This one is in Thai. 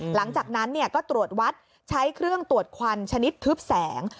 หลังจากนั้นก็ตรวจวัดใช้เครื่องตรวจควันชนิดทึบแสง